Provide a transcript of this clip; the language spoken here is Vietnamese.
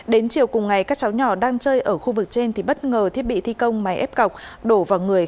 đến chiều cùng ngày các cháu nhỏ đang chơi ở khu vực trên thì bất ngờ thiết bị thi công máy ép cọc đổ vào người